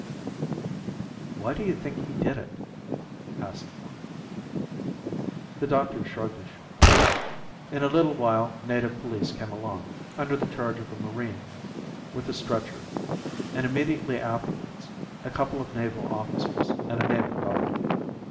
"Why do you think he did it?" asked Horn. The doctor shrugged his shoulders. In a little while native police came along, under the charge of a marine, with a stretcher, and immediately afterwards a couple of naval officers and a naval doctor.